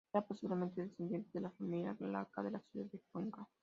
Era posiblemente descendiente de la familia Alcalá de la ciudad de Cuenca.